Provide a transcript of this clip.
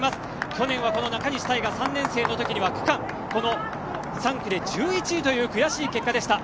去年は中西大翔３年生の時には区間３区で１１位という悔しい結果でした。